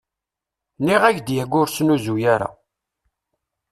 Nniɣ-ak-d yagi ur ssnuzu ara.